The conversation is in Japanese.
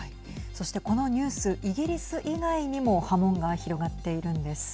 そしてこのニュース、イギリス以外にも波紋が広がっているんです。